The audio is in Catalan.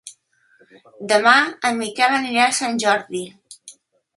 Demà en Miquel anirà a Sant Jordi.